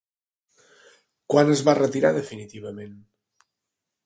Quan es va retirar definitivament?